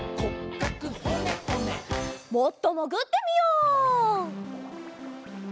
もっともぐってみよう！